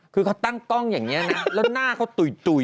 คือเขาตั้งกล้องอย่างนี้นะแล้วหน้าเขาตุ๋ย